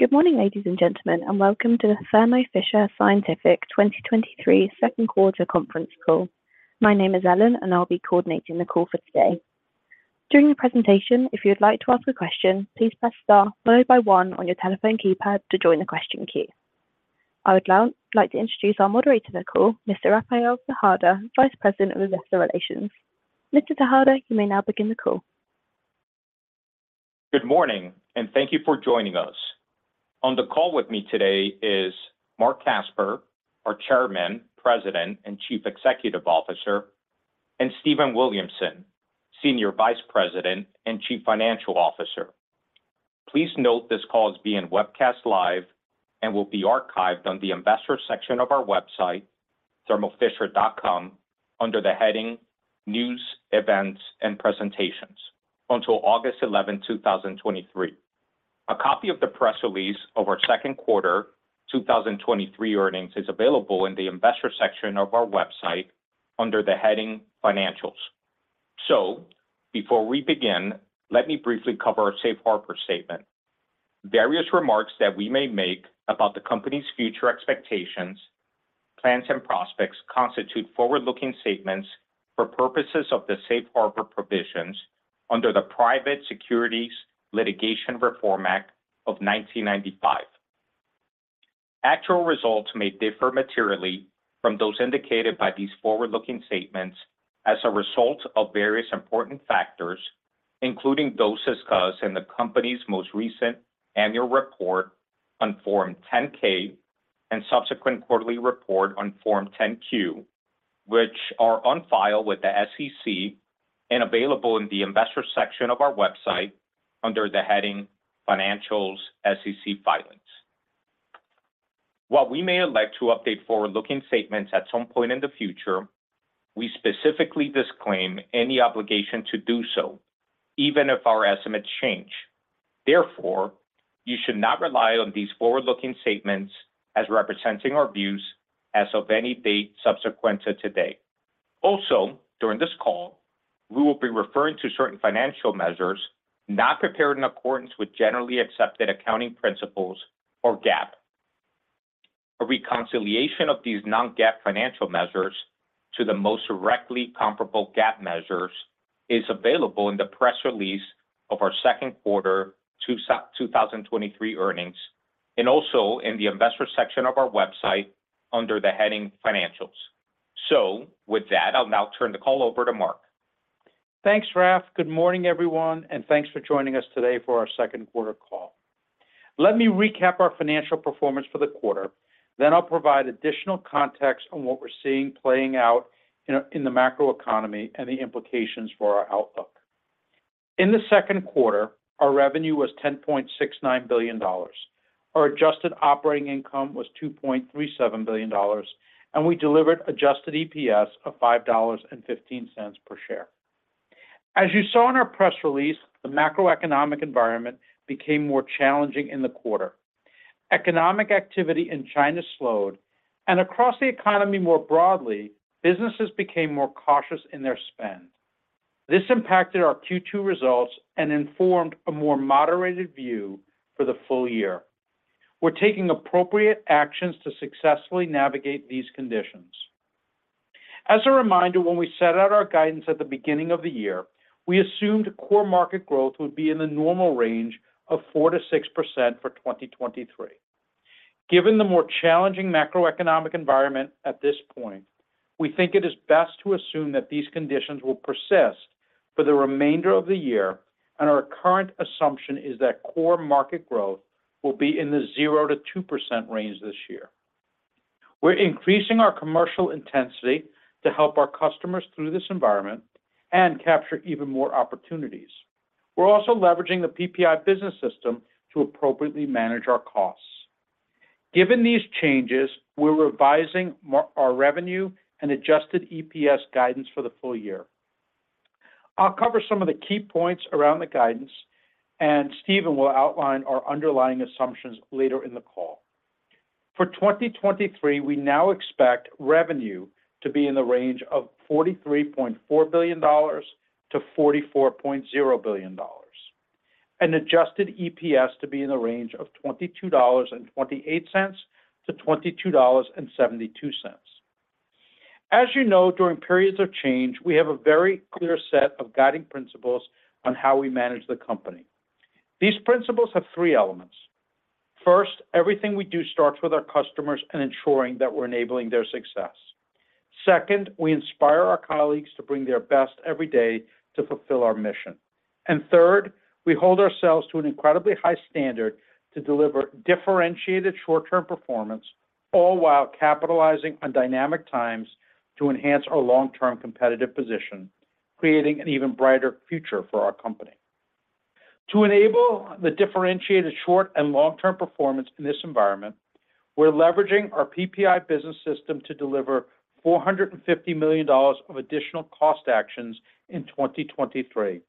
Good morning, ladies and gentlemen, welcome to the Thermo Fisher Scientific 2023 second quarter conference call. My name is Ellen, I'll be coordinating the call for today. During the presentation, if you'd like to ask a question, please press Star followed by on your telephone keypad to join the question queue. I would now like to introduce our moderator to the call, Mr. Rafael Tejada, Vice President of Investor Relations. Mr. Tejada, you may now begin the call. Good morning, thank you for joining us. On the call with me today is Marc Casper, our Chairman, President, and Chief Executive Officer, and Stephen Williamson, Senior Vice President and Chief Financial Officer. Please note this call is being webcast live and will be archived on the investor section of our website, thermofisher.com, under the heading News, Events, and Presentations until August 11, 2023. A copy of the press release of our second quarter 2023 earnings is available in the Investor section of our website under the heading Financials. Before we begin, let me briefly cover our safe harbor statement. Various remarks that we may make about the company's future expectations, plans, and prospects constitute forward-looking statements for purposes of the safe harbor provisions under the Private Securities Litigation Reform Act of 1995. Actual results may differ materially from those indicated by these forward-looking statements as a result of various important factors, including those discussed in the company's most recent annual report on Form 10-K and subsequent quarterly report on Form 10-Q, which are on file with the SEC and available in the Investor section of our website under the heading Financials, SEC Filings. While we may elect to update forward-looking statements at some point in the future, we specifically disclaim any obligation to do so, even if our estimates change. Therefore, you should not rely on these forward-looking statements as representing our views as of any date subsequent to today. Also, during this call, we will be referring to certain financial measures not prepared in accordance with generally accepted accounting principles or GAAP. A reconciliation of these non-GAAP financial measures to the most directly comparable GAAP measures is available in the press release of our second quarter 2023 earnings, and also in the Investor section of our website under the heading Financials. With that, I'll now turn the call over to Marc. Thanks, Raph. Good morning, everyone, and thanks for joining us today for our second quarter call. Let me recap our financial performance for the quarter, then I'll provide additional context on what we're seeing playing out in the macroeconomy and the implications for our outlook. In the second quarter, our revenue was $10.69 billion. Our adjusted operating income was $2.37 billion, and we delivered adjusted EPS of $5.15 per share. As you saw in our press release, the macroeconomic environment became more challenging in the quarter. Economic activity in China slowed, and across the economy, more broadly, businesses became more cautious in their spend. This impacted our Q2 results and informed a more moderated view for the full year. We're taking appropriate actions to successfully navigate these conditions. As a reminder, when we set out our guidance at the beginning of the year, we assumed core market growth would be in the normal range of 4%-6% for 2023. Given the more challenging macroeconomic environment at this point, we think it is best to assume that these conditions will persist for the remainder of the year, and our current assumption is that core market growth will be in the 0%-2% range this year. We're increasing our commercial intensity to help our customers through this environment and capture even more opportunities. We're also leveraging the PPI business system to appropriately manage our costs. Given these changes, we're revising our revenue and adjusted EPS guidance for the full year. I'll cover some of the key points around the guidance, and Stephen will outline our underlying assumptions later in the call. For 2023, we now expect revenue to be in the range of $43.4 billion-$44.0 billion, and adjusted EPS to be in the range of $22.28-$22.72. As you know, during periods of change, we have a very clear set of guiding principles on how we manage the company. These principles have three elements. First, everything we do starts with our customers and ensuring that we're enabling their success. Second, we inspire our colleagues to bring their best every day to fulfill our mission. Third, we hold ourselves to an incredibly high standard to deliver differentiated short-term performance, all while capitalizing on dynamic times to enhance our long-term competitive position, creating an even brighter future for our company. To enable the differentiated short and long-term performance in this environment, we're leveraging our PPI business system to deliver $450 million of additional cost actions in 2023.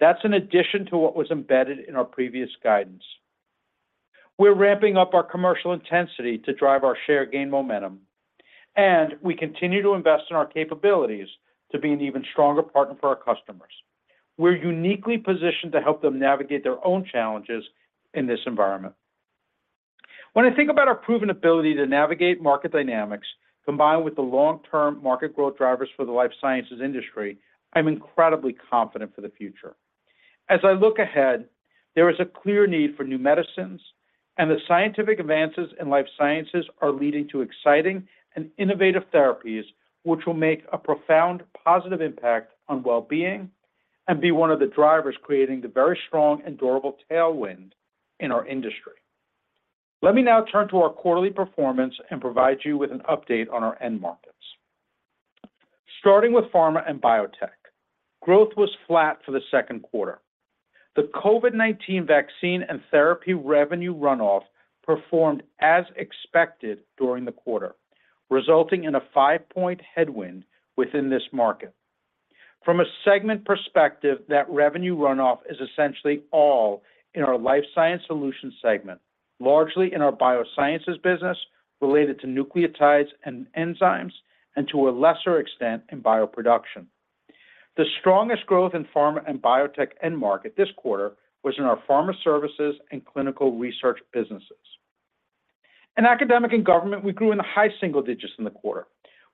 That's in addition to what was embedded in our previous guidance. We're ramping up our commercial intensity to drive our share gain momentum. We continue to invest in our capabilities to be an even stronger partner for our customers. We're uniquely positioned to help them navigate their own challenges in this environment. When I think about our proven ability to navigate market dynamics, combined with the long-term market growth drivers for the life sciences industry, I'm incredibly confident for the future. As I look ahead, there is a clear need for new medicines, and the scientific advances in life sciences are leading to exciting and innovative therapies, which will make a profound positive impact on well-being and be one of the drivers creating the very strong and durable tailwind in our industry. Let me now turn to our quarterly performance and provide you with an update on our end markets. Starting with pharma and biotech, growth was flat for the second quarter. The COVID-19 vaccine and therapy revenue runoff performed as expected during the quarter, resulting in a five-point headwind within this market. From a segment perspective, that revenue runoff is essentially all in our Life Sciences Solutions segment, largely in our biosciences business related to nucleotides and enzymes, and to a lesser extent, in bioproduction. The strongest growth in pharma and biotech end market this quarter was in our pharma services and clinical research businesses. In academic and government, we grew in the high single digits in the quarter.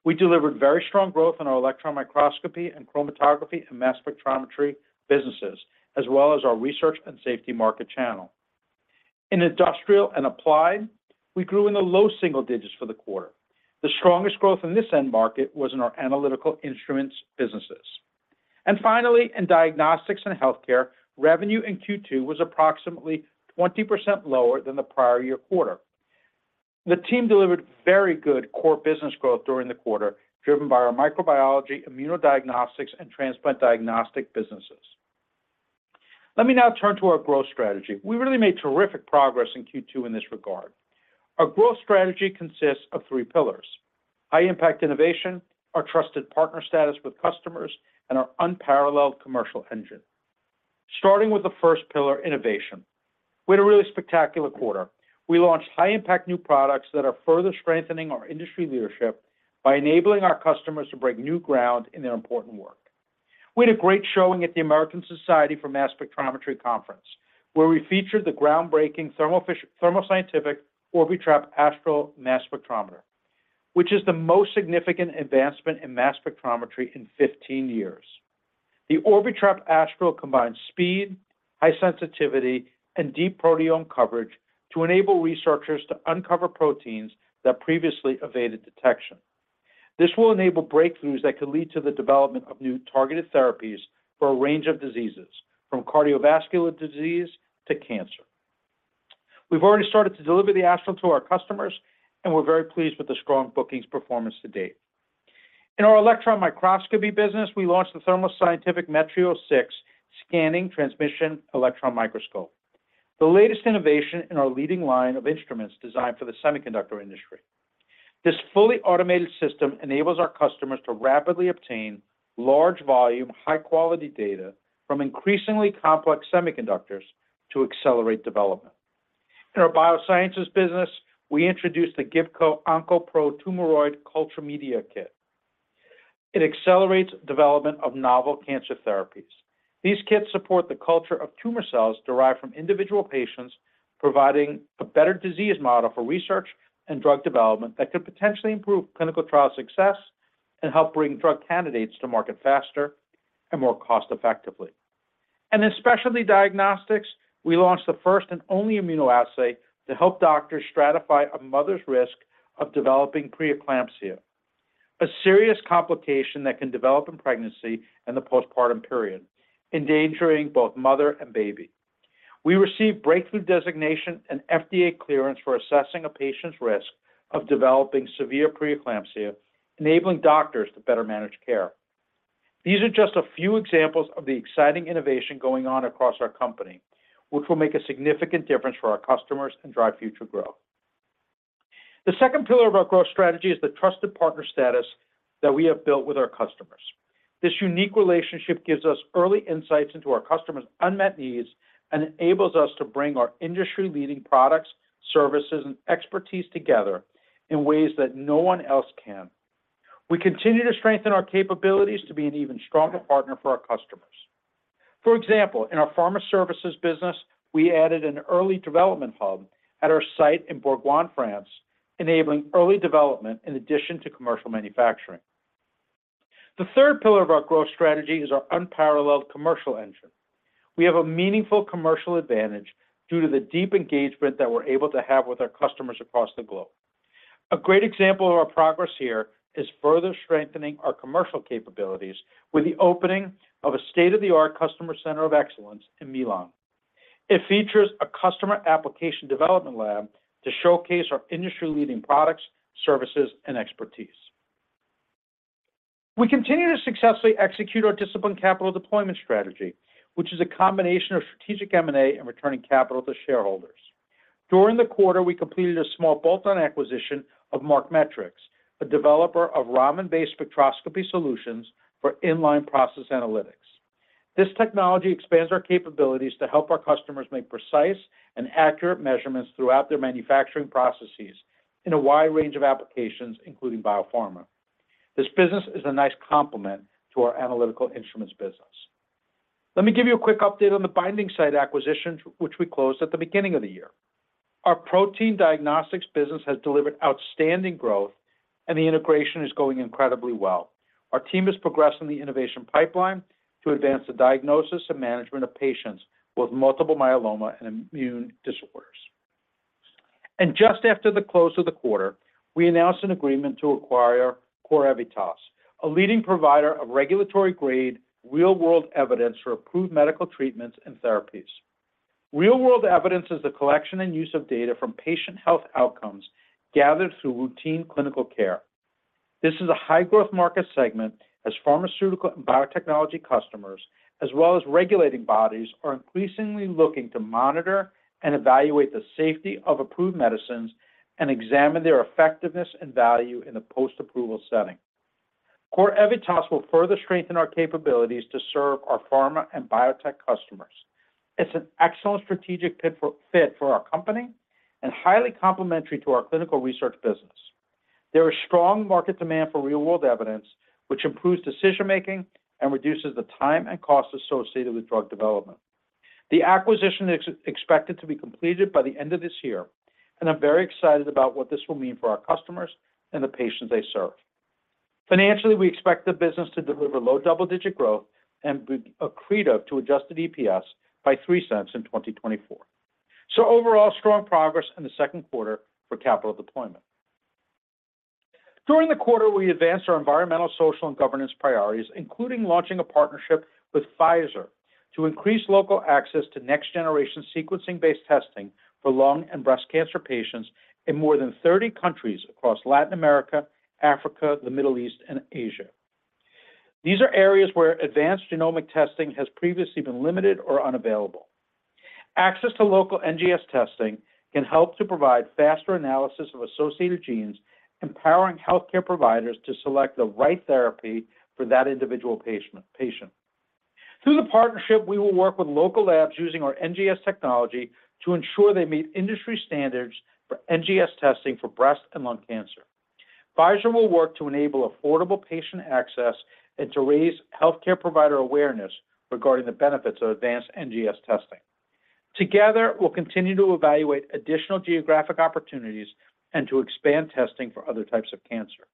We delivered very strong growth in our electron microscopy and chromatography and mass spectrometry businesses, as well as our research and safety market channel. In industrial and applied, we grew in the low single digits for the quarter. The strongest growth in this end market was in our Analytical Instruments businesses. Finally, in diagnostics and healthcare, revenue in Q2 was approximately 20% lower than the prior year quarter. The team delivered very good core business growth during the quarter, driven by our microbiology, immunodiagnostics, and transplant diagnostic businesses. Let me now turn to our growth strategy. We really made terrific progress in Q2 in this regard. Our growth strategy consists of three pillars: high-impact innovation, our trusted partner status with customers, and our unparalleled commercial engine. Starting with the first pillar, innovation. We had a really spectacular quarter. We launched high-impact new products that are further strengthening our industry leadership by enabling our customers to break new ground in their important work. We had a great showing at the American Society for Mass Spectrometry Conference, where we featured the groundbreaking Thermo Scientific Orbitrap Astral Mass Spectrometer, which is the most significant advancement in mass spectrometry in 15 years. The Orbitrap Astral combines speed, high sensitivity, and deep proteome coverage to enable researchers to uncover proteins that previously evaded detection. This will enable breakthroughs that could lead to the development of new targeted therapies for a range of diseases, from cardiovascular disease to cancer. We've already started to deliver the Astral to our customers, and we're very pleased with the strong bookings performance to date. In our electron microscopy business, we launched the Thermo Scientific Metrios 6 Scanning Transmission Electron Microscope, the latest innovation in our leading line of instruments designed for the semiconductor industry. This fully automated system enables our customers to rapidly obtain large volume, high-quality data from increasingly complex semiconductors to accelerate development. In our biosciences business, we introduced the Gibco OncoPro Tumoroid Culture Medium Kit. It accelerates development of novel cancer therapies. These kits support the culture of tumor cells derived from individual patients, providing a better disease model for research and drug development that could potentially improve clinical trial success and help bring drug candidates to market faster and more cost-effectively. In Specialty Diagnostics, we launched the first and only immunoassay to help doctors stratify a mother's risk of developing preeclampsia, a serious complication that can develop in pregnancy and the postpartum period, endangering both mother and baby. We received breakthrough designation and FDA clearance for assessing a patient's risk of developing severe preeclampsia, enabling doctors to better manage care. These are just a few examples of the exciting innovation going on across our company, which will make a significant difference for our customers and drive future growth. The second pillar of our growth strategy is the trusted partner status that we have built with our customers. This unique relationship gives us early insights into our customers' unmet needs and enables us to bring our industry-leading products, services, and expertise together in ways that no one else can. We continue to strengthen our capabilities to be an even stronger partner for our customers. For example, in our pharma services business, we added an early development hub at our site in Bourg-en-Bresse, France, enabling early development in addition to commercial manufacturing. The third pillar of our growth strategy is our unparalleled commercial engine. We have a meaningful commercial advantage due to the deep engagement that we're able to have with our customers across the globe. A great example of our progress here is further strengthening our commercial capabilities with the opening of a state-of-the-art Customer Center of Excellence in Milan. It features a customer application development lab to showcase our industry-leading products, services, and expertise. We continue to successfully execute our disciplined capital deployment strategy, which is a combination of strategic M&A and returning capital to shareholders. During the quarter, we completed a small bolt-on acquisition of MarqMetrix, a developer of Raman-based spectroscopy solutions for in-line process analytics. This technology expands our capabilities to help our customers make precise and accurate measurements throughout their manufacturing processes in a wide range of applications, including biopharma. This business is a nice complement to our Analytical Instruments business. Let me give you a quick update on The Binding Site acquisition, which we closed at the beginning of the year. Our protein diagnostics business has delivered outstanding growth, and the integration is going incredibly well. Our team is progressing the innovation pipeline to advance the diagnosis and management of patients with multiple myeloma and immune disorders. Just after the close of the quarter, we announced an agreement to acquire CorEvitas, a leading provider of regulatory-grade, real-world evidence for approved medical treatments and therapies. Real-world evidence is the collection and use of data from patient health outcomes gathered through routine clinical care. This is a high-growth market segment as pharmaceutical and biotechnology customers, as well as regulating bodies, are increasingly looking to monitor and evaluate the safety of approved medicines and examine their effectiveness and value in a post-approval setting. CorEvitas will further strengthen our capabilities to serve our pharma and biotech customers. It's an excellent strategic fit for our company and highly complementary to our clinical research business. There is strong market demand for real-world evidence, which improves decision-making and reduces the time and cost associated with drug development. The acquisition is expected to be completed by the end of this year, I'm very excited about what this will mean for our customers and the patients they serve. Financially, we expect the business to deliver low double-digit growth and be accretive to adjusted EPS by $0.03 in 2024. Overall, strong progress in the second quarter for capital deployment. During the quarter, we advanced our environmental, social, and governance priorities, including launching a partnership with Pfizer to increase local access to next-generation sequencing-based testing for lung and breast cancer patients in more than 30 countries across Latin America, Africa, the Middle East, and Asia. These are areas where advanced genomic testing has previously been limited or unavailable. Access to local NGS testing can help to provide faster analysis of associated genes, empowering healthcare providers to select the right therapy for that individual patient. Through the partnership, we will work with local labs using our NGS technology to ensure they meet industry standards for NGS testing for breast and lung cancer. Pfizer will work to enable affordable patient access and to raise healthcare provider awareness regarding the benefits of advanced NGS testing. Together, we'll continue to evaluate additional geographic opportunities and to expand testing for other types of cancer.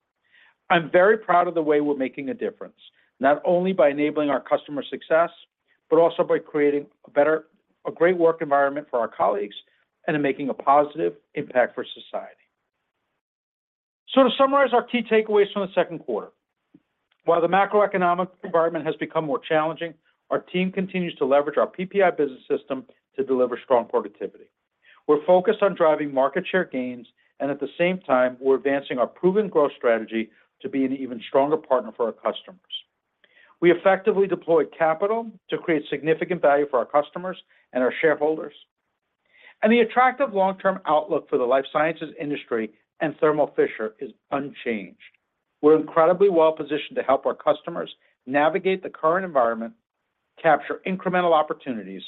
I'm very proud of the way we're making a difference, not only by enabling our customer success, but also by creating a great work environment for our colleagues and in making a positive impact for society. To summarize our key takeaways from the second quarter, while the macroeconomic environment has become more challenging, our team continues to leverage our PPI business system to deliver strong productivity. We're focused on driving market share gains, and at the same time, we're advancing our proven growth strategy to be an even stronger partner for our customers. We effectively deployed capital to create significant value for our customers and our shareholders. The attractive long-term outlook for the life sciences industry and Thermo Fisher is unchanged. We're incredibly well positioned to help our customers navigate the current environment, capture incremental opportunities,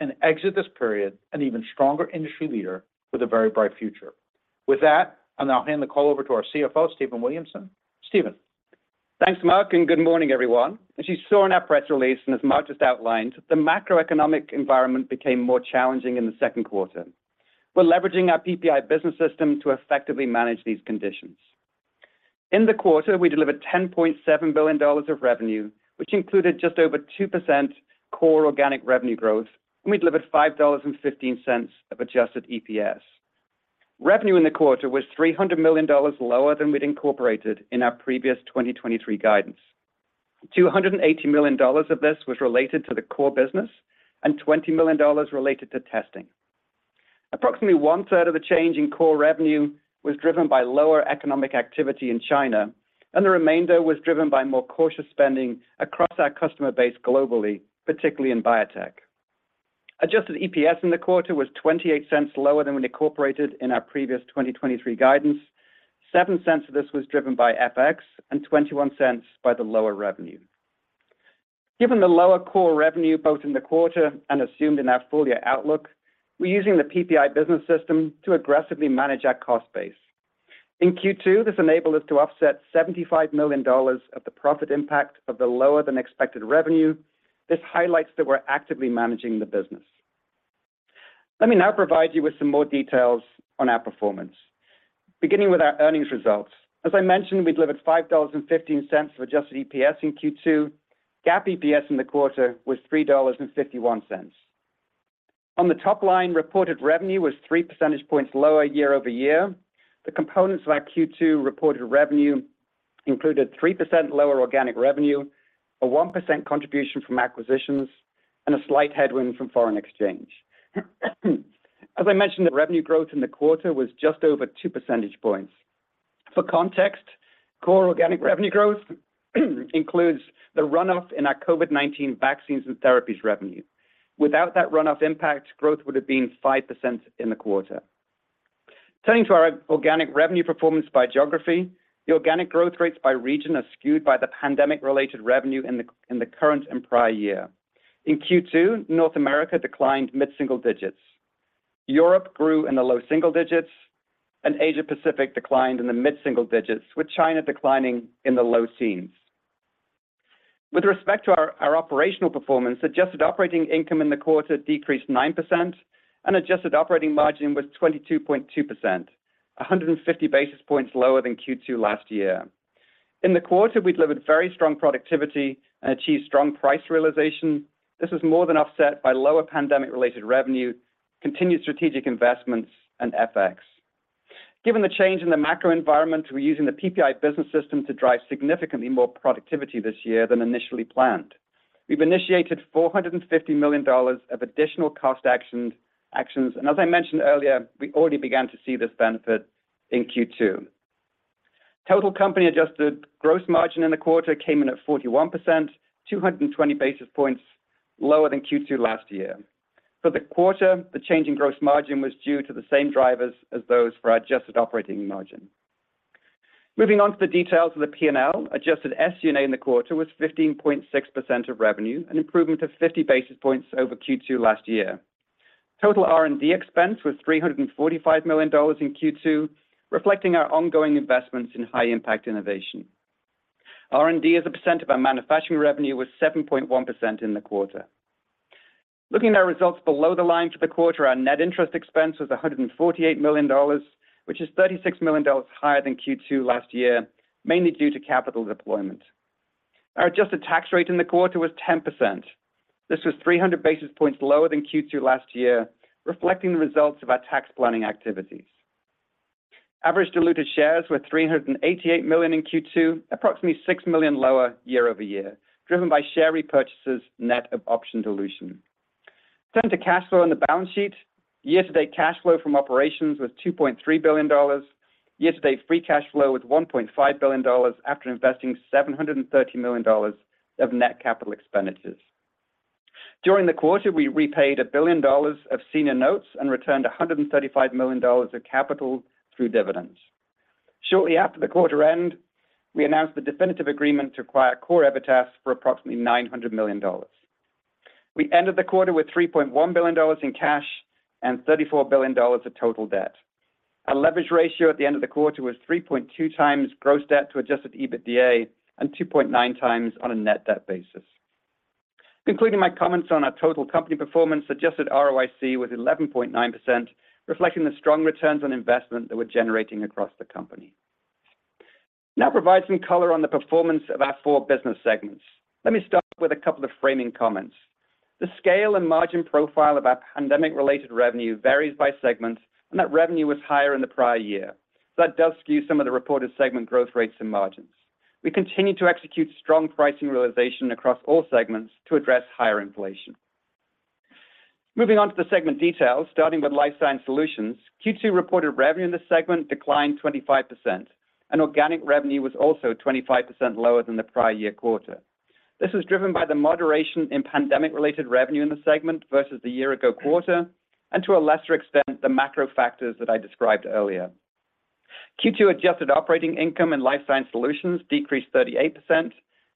and exit this period an even stronger industry leader with a very bright future. With that, I'll now hand the call over to our CFO, Stephen Williamson. Stephen? Thanks, Marc, good morning, everyone. As you saw in our press release, as Marc just outlined, the macroeconomic environment became more challenging in the second quarter. We're leveraging our PPI business system to effectively manage these conditions. In the quarter, we delivered $10.7 billion of revenue, which included just over 2% core organic revenue growth. We delivered $5.15 of adjusted EPS. Revenue in the quarter was $300 million lower than we'd incorporated in our previous 2023 guidance. $280 million of this was related to the core business and $20 million related to testing. Approximately one-third of the change in core revenue was driven by lower economic activity in China, the remainder was driven by more cautious spending across our customer base globally, particularly in biotech. Adjusted EPS in the quarter was $0.28 lower than we'd incorporated in our previous 2023 guidance. $0.07 of this was driven by FX and $0.21 by the lower revenue. Given the lower core revenue, both in the quarter and assumed in our full-year outlook, we're using the PPI business system to aggressively manage our cost base. In Q2, this enabled us to offset $75 million of the profit impact of the lower-than-expected revenue. This highlights that we're actively managing the business. Let me now provide you with some more details on our performance. Beginning with our earnings results. As I mentioned, we delivered $5.15 of adjusted EPS in Q2. GAAP EPS in the quarter was $3.51. On the top line, reported revenue was 3 percentage points lower year-over-year. The components of our Q2 reported revenue included 3% lower organic revenue, a 1% contribution from acquisitions, and a slight headwind from foreign exchange. As I mentioned, the revenue growth in the quarter was just over 2 percentage points. For context, core organic revenue growth includes the runoff in our COVID-19 vaccines and therapies revenue. Without that runoff impact, growth would have been 5% in the quarter. Turning to our organic revenue performance by geography, the organic growth rates by region are skewed by the pandemic-related revenue in the current and prior year. In Q2, North America declined mid-single digits. Europe grew in the low single digits, and Asia Pacific declined in the mid-single digits, with China declining in the low teens. With respect to our operational performance, adjusted operating income in the quarter decreased 9%, and adjusted operating margin was 22.2%, 150 basis points lower than Q2 last year. In the quarter, we delivered very strong productivity and achieved strong price realization. This was more than offset by lower pandemic-related revenue, continued strategic investments, and FX. Given the change in the macro environment, we're using the PPI business system to drive significantly more productivity this year than initially planned. We've initiated $450 million of additional cost actions, and as I mentioned earlier, we already began to see this benefit in Q2. Total company adjusted gross margin in the quarter came in at 41%, 220 basis points lower than Q2 last year. For the quarter, the change in gross margin was due to the same drivers as those for our adjusted operating margin. Moving on to the details of the P&L, adjusted SG&A in the quarter was 15.6% of revenue, an improvement of 50 basis points over Q2 last year. Total R&D expense was $345 million in Q2, reflecting our ongoing investments in high-impact innovation. R&D, as a percent of our manufacturing revenue, was 7.1% in the quarter. Looking at our results below the line for the quarter, our net interest expense was $148 million, which is $36 million higher than Q2 last year, mainly due to capital deployment. Our adjusted tax rate in the quarter was 10%. This was 300 basis points lower than Q2 last year, reflecting the results of our tax planning activities. Average diluted shares were $388 million in Q2, approximately $6 million lower year-over-year, driven by share repurchases, net of option dilution. Turning to cash flow on the balance sheet, year-to-date cash flow from operations was $2.3 billion. Year-to-date free cash flow was $1.5 billion after investing $730 million of net capital expenditures. During the quarter, we repaid $1 billion of senior notes and returned $135 million of capital through dividends. Shortly after the quarter end, we announced the definitive agreement to acquire CorEvitas for approximately $900 million. We ended the quarter with $3.1 billion in cash and $34 billion of total debt. Our leverage ratio at the end of the quarter was 3.2 times gross debt to adjusted EBITDA and 2.9 times on a net debt basis. Concluding my comments on our total company performance, adjusted ROIC was 11.9%, reflecting the strong returns on investment that we're generating across the company. Provide some color on the performance of our four business segments. Let me start with a couple of framing comments. The scale and margin profile of our pandemic-related revenue varies by segment, and that revenue was higher in the prior year. That does skew some of the reported segment growth rates and margins. We continue to execute strong pricing realization across all segments to address higher inflation. Moving on to the segment details, starting with Life Science Solutions, Q2 reported revenue in this segment declined 25%, and organic revenue was also 25% lower than the prior year quarter. This was driven by the moderation in pandemic-related revenue in the segment versus the year-ago quarter, and to a lesser extent, the macro factors that I described earlier. Q2 adjusted operating income in Life Science Solutions decreased 38%,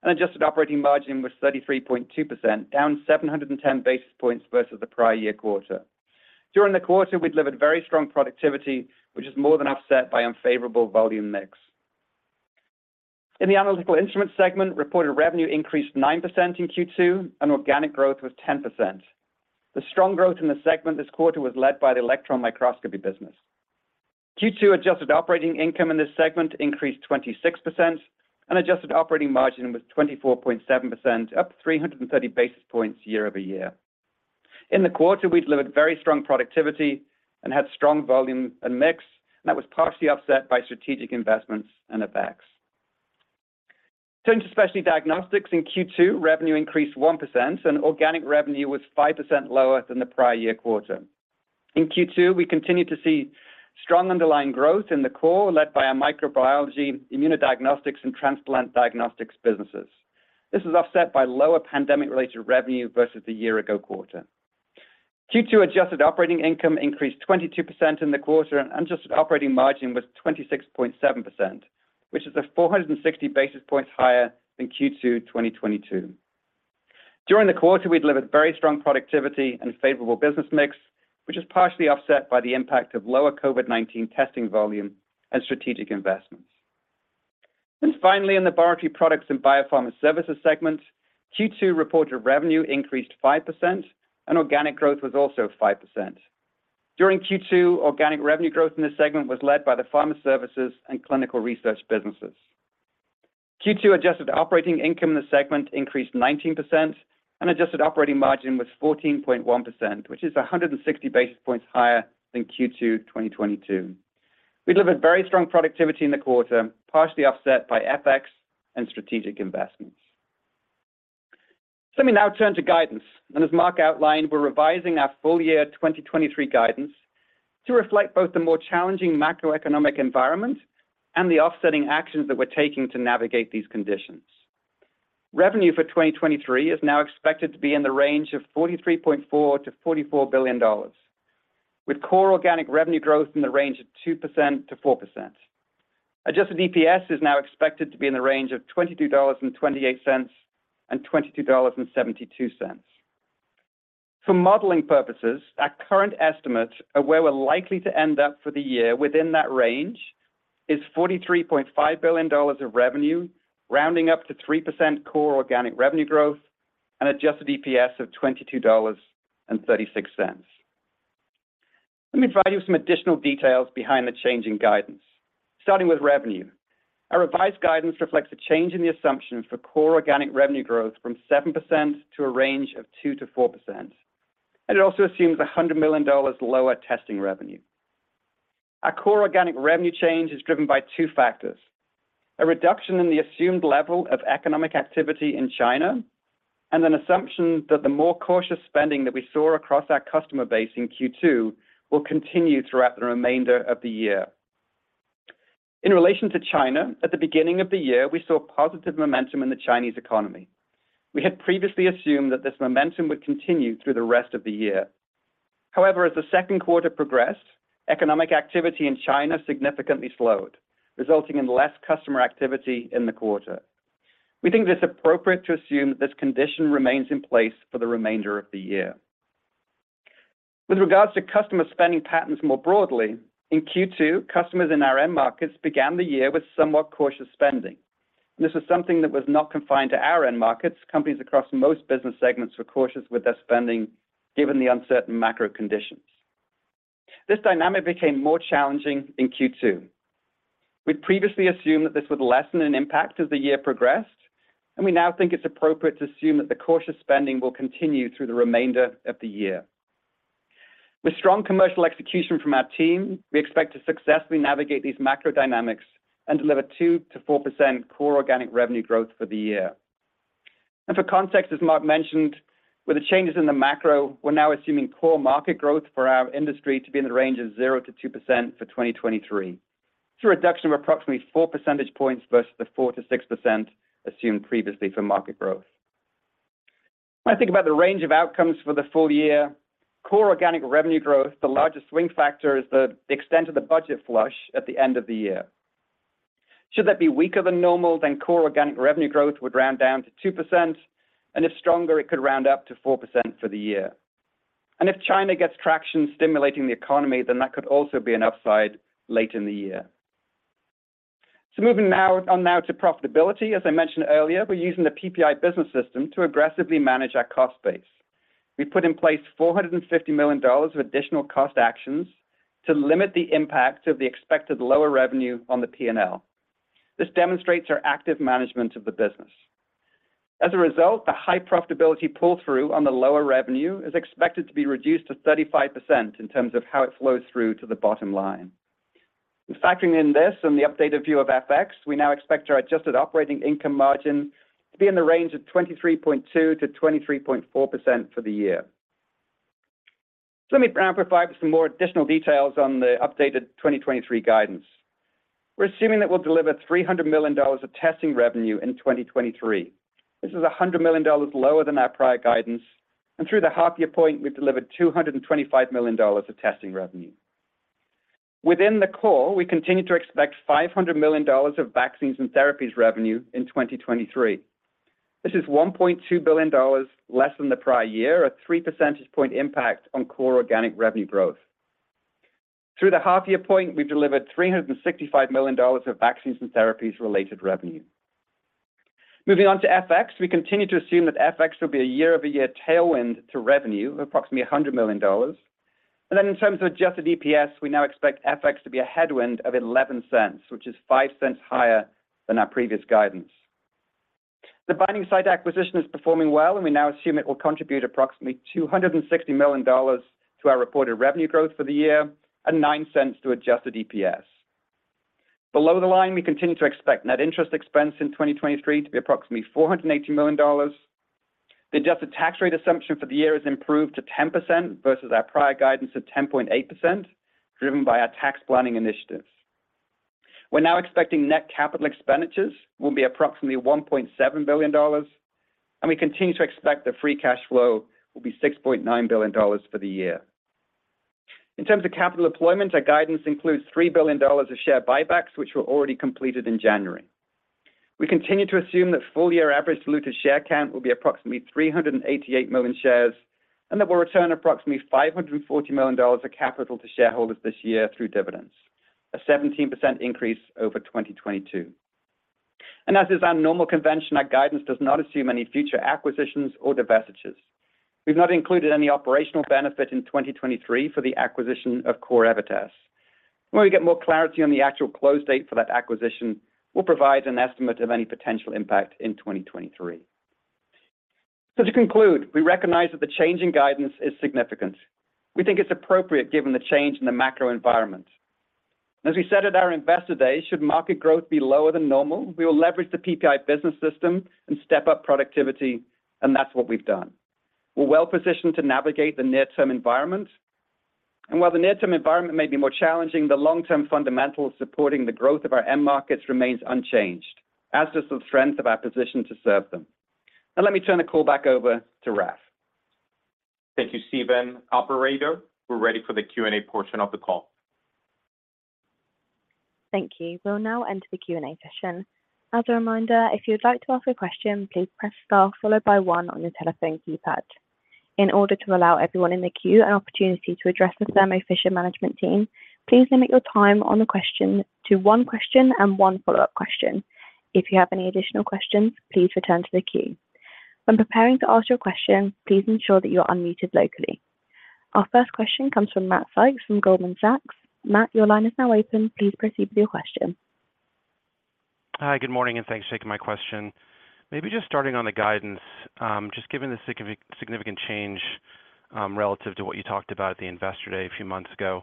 and adjusted operating margin was 33.2%, down 710 basis points versus the prior year quarter. During the quarter, we delivered very strong productivity, which is more than offset by unfavorable volume mix. In the Analytical Instruments segment, reported revenue increased 9% in Q2, and organic growth was 10%. The strong growth in the segment this quarter was led by the electron microscopy business. Q2 adjusted operating income in this segment increased 26%, and adjusted operating margin was 24.7%, up 330 basis points year-over-year. In the quarter, we delivered very strong productivity and had strong volume and mix, and that was partially offset by strategic investments and FX. Turning to Specialty Diagnostics, in Q2, revenue increased 1%, and organic revenue was 5% lower than the prior year quarter. In Q2, we continued to see strong underlying growth in the core, led by our microbiology, immunodiagnostics, and transplant diagnostics businesses. This is offset by lower pandemic-related revenue versus the year-ago quarter. Q2 adjusted operating income increased 22% in the quarter, and adjusted operating margin was 26.7%, which is 460 basis points higher than Q2 2022. During the quarter, we delivered very strong productivity and favorable business mix, which is partially offset by the impact of lower COVID-19 testing volume and strategic investments. Finally, in the Laboratory Products and Biopharma Services segment, Q2 reported revenue increased 5%, and organic growth was also 5%. During Q2, organic revenue growth in this segment was led by the pharma services and clinical research businesses. Q2 adjusted operating income in the segment increased 19%, and adjusted operating margin was 14.1%, which is 160 basis points higher than Q2 2022. We delivered very strong productivity in the quarter, partially offset by FX and strategic investments. Let me now turn to guidance. As Marc outlined, we're revising our full year 2023 guidance to reflect both the more challenging macroeconomic environment and the offsetting actions that we're taking to navigate these conditions. Revenue for 2023 is now expected to be in the range of $43.4 billion-$44 billion, with core organic revenue growth in the range of 2%-4%. Adjusted EPS is now expected to be in the range of $22.28 and $22.72. For modeling purposes, our current estimate of where we're likely to end up for the year within that range is $43.5 billion of revenue, rounding up to 3% core organic revenue growth and adjusted EPS of $22.36. Let me provide you some additional details behind the change in guidance. Starting with revenue, our revised guidance reflects a change in the assumption for core organic revenue growth from 7% to a range of 2%-4%, and it also assumes $100 million lower testing revenue. Our core organic revenue change is driven by two factors: A reduction in the assumed level of economic activity in China, and an assumption that the more cautious spending that we saw across our customer base in Q2 will continue throughout the remainder of the year. In relation to China, at the beginning of the year, we saw positive momentum in the Chinese economy. We had previously assumed that this momentum would continue through the rest of the year. However, as the second quarter progressed, economic activity in China significantly slowed, resulting in less customer activity in the quarter. We think it's appropriate to assume that this condition remains in place for the remainder of the year. With regards to customer spending patterns more broadly, in Q2, customers in our end markets began the year with somewhat cautious spending. This was something that was not confined to our end markets. Companies across most business segments were cautious with their spending, given the uncertain macro conditions. This dynamic became more challenging in Q2. We'd previously assumed that this would lessen in impact as the year progressed. We now think it's appropriate to assume that the cautious spending will continue through the remainder of the year. With strong commercial execution from our team, we expect to successfully navigate these macro dynamics and deliver 2%-4% core organic revenue growth for the year. For context, as Marc mentioned, with the changes in the macro, we're now assuming core market growth for our industry to be in the range of 0%-2% for 2023. It's a reduction of approximately 4 percentage points versus the 4%-6% assumed previously for market growth. When I think about the range of outcomes for the full year, core organic revenue growth, the largest swing factor, is the extent of the budget flush at the end of the year. Should that be weaker than normal, then core organic revenue growth would round down to 2%, and if stronger, it could round up to 4% for the year. If China gets traction stimulating the economy, then that could also be an upside late in the year. Moving on now to profitability, as I mentioned earlier, we're using the PPI business system to aggressively manage our cost base. We put in place $450 million of additional cost actions to limit the impact of the expected lower revenue on the P&L. This demonstrates our active management of the business. As a result, the high profitability pull-through on the lower revenue is expected to be reduced to 35% in terms of how it flows through to the bottom line. In factoring in this and the updated view of FX, we now expect our adjusted operating income margin to be in the range of 23.2%-23.4% for the year. Let me now provide some more additional details on the updated 2023 guidance. We're assuming that we'll deliver $300 million of testing revenue in 2023. This is $100 million lower than our prior guidance, and through the half-year point, we've delivered $225 million of testing revenue. Within the core, we continue to expect $500 million of vaccines and therapies revenue in 2023. This is $1.2 billion less than the prior year, a 3 percentage point impact on core organic revenue growth. Through the half-year point, we've delivered $365 million of vaccines and therapies related revenue. Moving on to FX, we continue to assume that FX will be a year-over-year tailwind to revenue, approximately $100 million. In terms of adjusted EPS, we now expect FX to be a headwind of $0.11, which is $0.05 higher than our previous guidance. The Binding Site acquisition is performing well, and we now assume it will contribute approximately $260 million to our reported revenue growth for the year, and $0.09 to adjusted EPS. Below the line, we continue to expect net interest expense in 2023 to be approximately $480 million. The adjusted tax rate assumption for the year is improved to 10% versus our prior guidance of 10.8%, driven by our tax planning initiatives. We're now expecting net capital expenditures will be approximately $1.7 billion, and we continue to expect the free cash flow will be $6.9 billion for the year. In terms of capital deployment, our guidance includes $3 billion of share buybacks, which were already completed in January. We continue to assume that full-year average diluted share count will be approximately 388 million shares, and that we'll return approximately $540 million of capital to shareholders this year through dividends, a 17% increase over 2022. As is our normal convention, our guidance does not assume any future acquisitions or divestitures. We've not included any operational benefit in 2023 for the acquisition of CorEvitas. When we get more clarity on the actual close date for that acquisition, we'll provide an estimate of any potential impact in 2023. To conclude, we recognize that the change in guidance is significant. We think it's appropriate given the change in the macro environment. As we said at our Investor Day, should market growth be lower than normal, we will leverage the PPI business system and step up productivity, and that's what we've done. We're well-positioned to navigate the near-term environment. While the near-term environment may be more challenging, the long-term fundamentals supporting the growth of our end markets remains unchanged, as does the strength of our position to serve them. Now, let me turn the call back over to Raph. Thank you, Stephen. Operator, we're ready for the Q&A portion of the call. Thank you. We'll now enter the Q&A session. As a reminder, if you'd like to ask a question, please press star followed by one on your telephone keypad. In order to allow everyone in the queue an opportunity to address the Thermo Fisher management team, please limit your time on the question to one question and one follow-up question. If you have any additional questions, please return to the queue. When preparing to ask your question, please ensure that you're unmuted locally. Our first question comes from Matt Sykes from Goldman Sachs. Matt, your line is now open. Please proceed with your question. Hi, good morning, and thanks for taking my question. Maybe just starting on the guidance, just given the significant change, relative to what you talked about at the Investor Day a few months ago,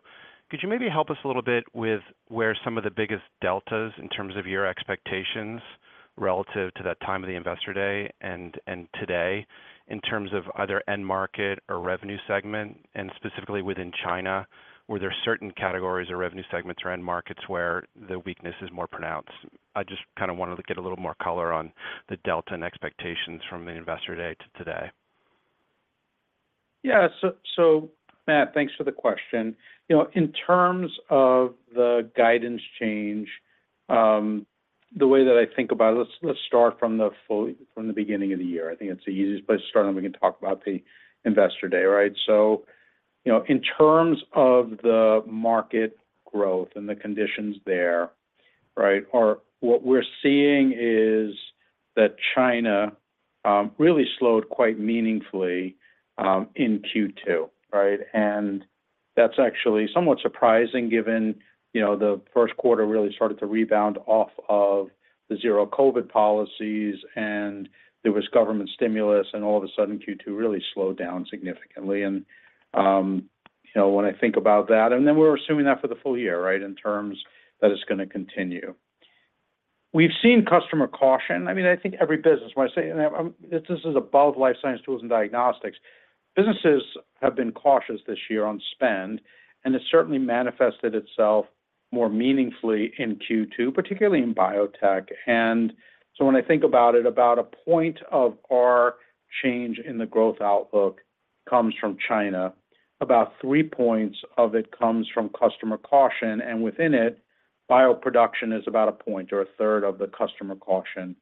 could you maybe help us a little bit with where some of the biggest deltas in terms of your expectations relative to that time of the Investor Day and today in terms of either end market or revenue segment. Specifically within China, were there certain categories or revenue segments or end markets where the weakness is more pronounced? I just kind of wanted to get a little more color on the delta and expectations from the Investor Day to today. Matt, thanks for the question. You know, in terms of the guidance change, the way that I think about it, let's start from the beginning of the year. I think it's the easiest place to start, and we can talk about the Investor Day, right? You know, in terms of the market growth and the conditions there, right, are what we're seeing is that China really slowed quite meaningfully in Q2, right? That's actually somewhat surprising given, you know, the first quarter really started to rebound off of the zero COVID policies, and there was government stimulus, and all of a sudden, Q2 really slowed down significantly. You know, when I think about that, and then we're assuming that for the full year, right, in terms that it's gonna continue. We've seen customer caution. I mean, I think every business, when I say, this is above life science tools and diagnostics. Businesses have been cautious this year on spend, and it certainly manifested itself more meaningfully in Q2, particularly in biotech. When I think about it, about 1 point of our change in the growth outlook comes from China. About 3 points of it comes from customer caution, and within it, bioproduction is about 1 point or 1/3 of the customer caution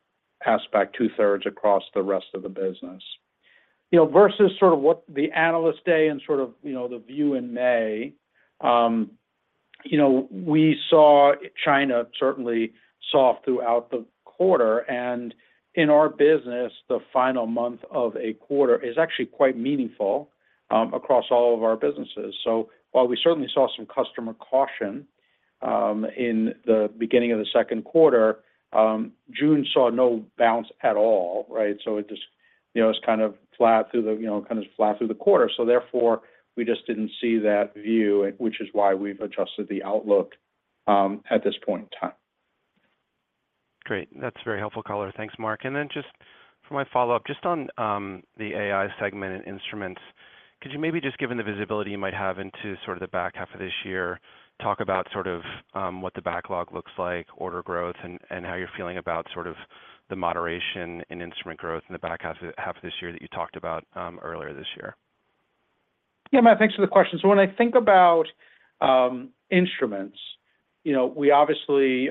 aspect, 2/3 across the rest of the business. You know, versus sort of what the Analyst Day and sort of, you know, the view in May, we saw China certainly soft throughout the quarter, and in our business, the final month of a quarter is actually quite meaningful across all of our businesses. While we certainly saw some customer caution, in the beginning of the second quarter, June saw no bounce at all, right? It just, it's kind of flat through the quarter. Therefore, we just didn't see that view, which is why we've adjusted the outlook at this point in time. Great. That's a very helpful color. Thanks, Marc. Just for my follow-up, just on the AI segment and instruments, could you maybe just, given the visibility you might have into sort of the back half of this year, talk about sort of what the backlog looks like, order growth, and how you're feeling about sort of the moderation in instrument growth in the back half of this year that you talked about earlier this year? Yeah, Matt, thanks for the question. When I think about instruments, you know, we obviously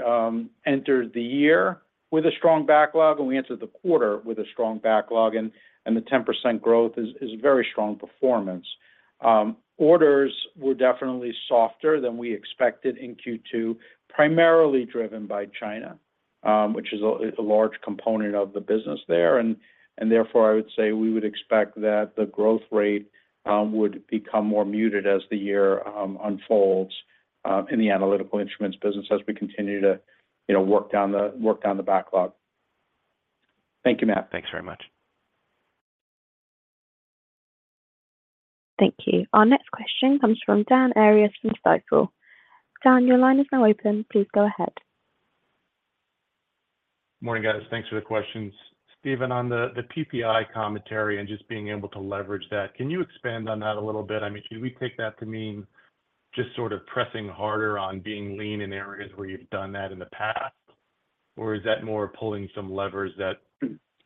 entered the year with a strong backlog, and we entered the quarter with a strong backlog. The 10% growth is very strong performance. Orders were definitely softer than we expected in Q2, primarily driven by China, which is a large component of the business there. Therefore, I would say we would expect that the growth rate would become more muted as the year unfolds in the Analytical Instruments business as we continue to, you know, work down the backlog. Thank you, Matt. Thanks very much. Thank you. Our next question comes from Daniel Arias from Stifel. Dan, your line is now open. Please go ahead. Morning, guys. Thanks for the questions. Stephen, on the PPI commentary and just being able to leverage that, can you expand on that a little bit? I mean, should we take that to mean just sort of pressing harder on being lean in areas where you've done that in the past, or is that more pulling some levers that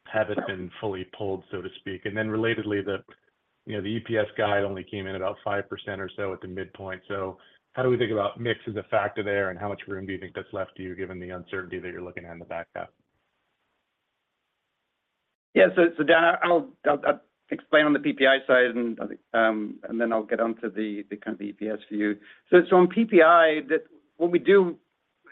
haven't been fully pulled, so to speak? Relatedly, the, you know, the EPS guide only came in about 5% or so at the midpoint. How do we think about mix as a factor there, and how much room do you think that's left to you, given the uncertainty that you're looking at in the back half? Yeah. Dan, I'll explain on the PPI side, and then I'll get on to the kind of EPS view. On PPI, that what we do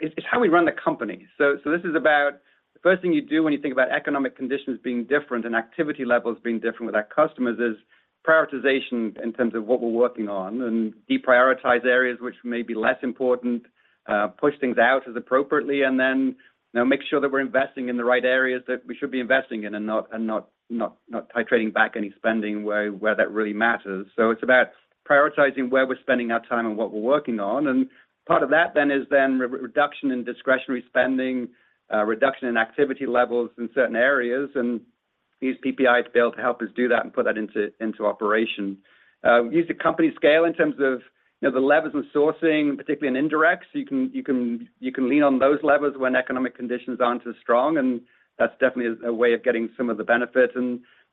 it's how we run the company. This is about the first thing you do when you think about economic conditions being different and activity levels being different with our customers is prioritization in terms of what we're working on, and deprioritize areas which may be less important, push things out as appropriately, and then, you know, make sure that we're investing in the right areas that we should be investing in and not titrating back any spending where that really matters. It's about prioritizing where we're spending our time and what we're working on, and part of that then is reduction in discretionary spending, reduction in activity levels in certain areas. ... use PPI to be able to help us do that and put that into operation. We use the company scale in terms of, you know, the levers and sourcing, particularly in indirect. You can lean on those levers when economic conditions aren't as strong, and that's definitely a way of getting some of the benefits.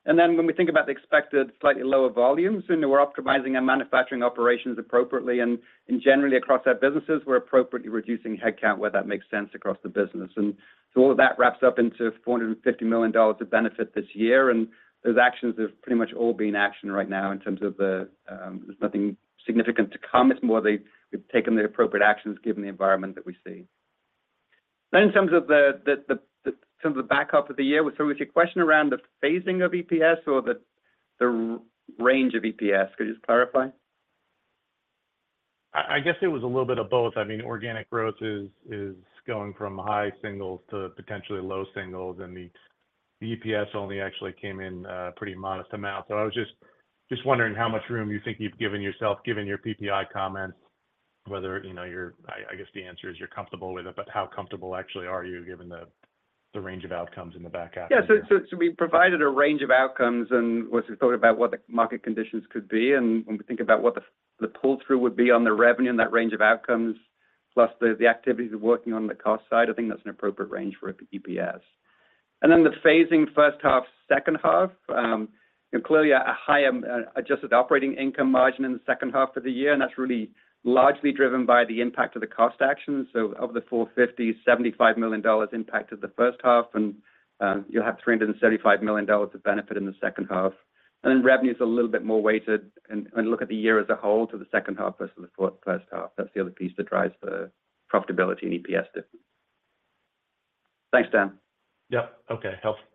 Then when we think about the expected slightly lower volumes, you know, we're optimizing our manufacturing operations appropriately. Generally across our businesses, we're appropriately reducing headcount where that makes sense across the business. All of that wraps up into $450 million of benefit this year, and those actions have pretty much all been actioned right now in terms of the. There's nothing significant to come. It's more that we've taken the appropriate actions, given the environment that we see. In terms of the, in terms of the backup of the year, was your question around the phasing of EPS or the range of EPS? Could you just clarify? I guess it was a little bit of both. I mean, organic growth is going from high singles to potentially low singles, and the EPS only actually came in pretty modest amount. I was just wondering how much room you think you've given yourself, given your PPI comments, whether, you know, I guess the answer is you're comfortable with it, but how comfortable actually are you given the range of outcomes in the back half? Yeah. So we provided a range of outcomes and once we thought about what the market conditions could be, and when we think about what the pull-through would be on the revenue and that range of outcomes, plus the activities of working on the cost side, I think that's an appropriate range for EPS. Then the phasing first half, second half, and clearly a higher adjusted operating income margin in the second half of the year, and that's really largely driven by the impact of the cost actions. Of the $450 million-$75 million impacted the first half, you'll have $375 million of benefit in the second half. Revenue's a little bit more weighted and look at the year as a whole to the second half versus the first half. That's the other piece that drives the profitability and EPS difference. Thanks, Dan. Yeah. Okay, helpful.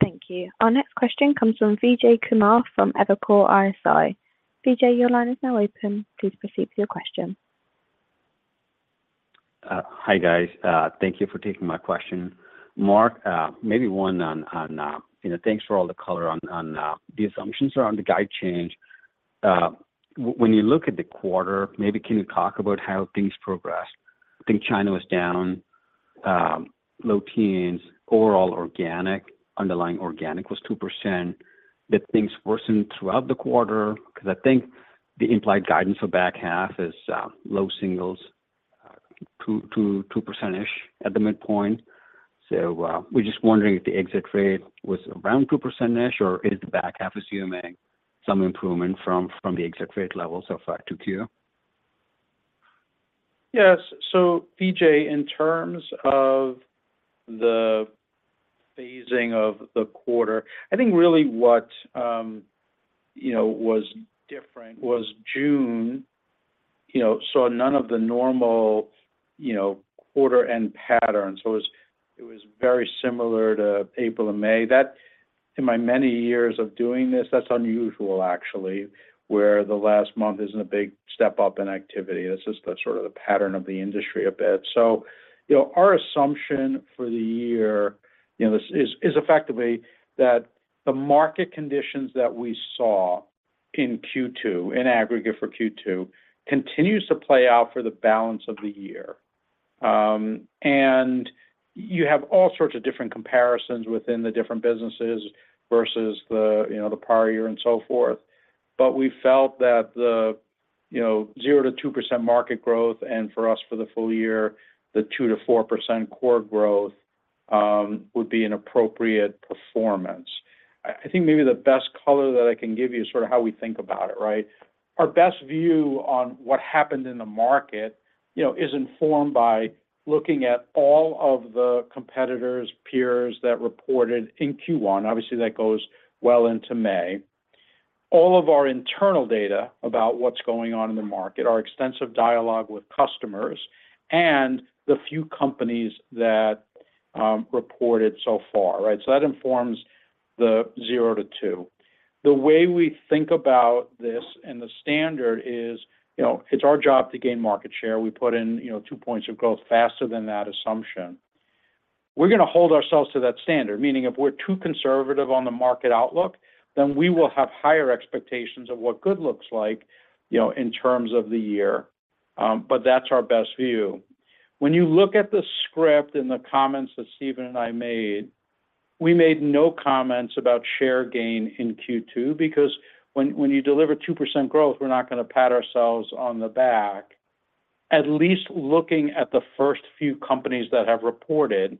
Thank you. Our next question comes from Vijay Kumar from Evercore ISI. Vijay, your line is now open. Please proceed with your question. Hi, guys. Thank you for taking my question. Marc, maybe one on, you know, thanks for all the color on the assumptions around the guide change. When you look at the quarter, maybe can you talk about how things progressed? I think China was down, low teens. Overall organic, underlying organic was 2%. Did things worsen throughout the quarter? Because I think the implied guidance for back half is low singles, 2 percentage at the midpoint. We're just wondering if the exit rate was around 2 percentage, or is the back half assuming some improvement from the exit rate levels of Q2? Yes. Vijay, in terms of the phasing of the quarter, I think really what, you know, was different was June, you know, saw none of the normal, you know, quarter end patterns. It was very similar to April and May. That in my many years of doing this, that's unusual, actually, where the last month isn't a big step up in activity. That's just the sort of the pattern of the industry a bit. Our assumption for the year, you know, this is effectively that the market conditions that we saw in Q2, in aggregate for Q2, continues to play out for the balance of the year. You have all sorts of different comparisons within the different businesses versus the, you know, the prior year and so forth. We felt that the, you know, 0%-2% market growth, and for us, for the full year, the 2%-4% core growth, would be an appropriate performance. I think maybe the best color that I can give you is sort of how we think about it, right? Our best view on what happened in the market, you know, is informed by looking at all of the competitors, peers that reported in Q1. Obviously, that goes well into May. All of our internal data about what's going on in the market, our extensive dialogue with customers and the few companies that reported so far, right? That informs the 0%-2%. The way we think about this and the standard is, you know, it's our job to gain market share. We put in, you know, 2 points of growth faster than that assumption. We're gonna hold ourselves to that standard, meaning if we're too conservative on the market outlook, then we will have higher expectations of what good looks like, you know, in terms of the year. That's our best view. When you look at the script and the comments that Stephen and I made, we made no comments about share gain in Q2, because when you deliver 2% growth, we're not gonna pat ourselves on the back. At least looking at the first few companies that have reported,